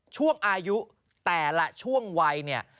ช่วงอายุแต่ละช่วงวัยเนี่ย